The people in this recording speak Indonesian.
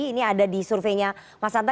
ini ada di surveinya mas anta